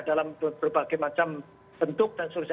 dalam berbagai macam bentuk dan sebagainya